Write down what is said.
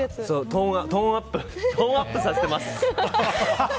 トーンアップさせてます。